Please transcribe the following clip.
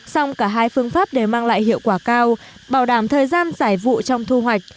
xong cả hai phương pháp đều mang lại hiệu quả cao bảo đảm thời gian giải vụ trong thu hoạch